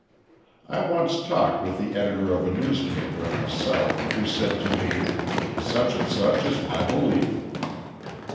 I once talked with the editor of a newspaper in the South who said to me, "such and such is my belief."